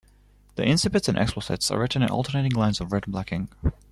The incipits and explicits are written in alternating lines of red and black ink.